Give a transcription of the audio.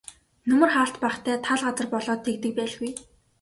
Нөмөр хаалт багатай тал газар болоод тэгдэг байлгүй.